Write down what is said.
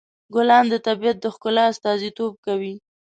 ګلان د طبیعت د ښکلا استازیتوب کوي.